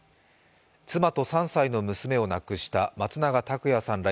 妻と３歳の娘を亡くした松永拓也さんら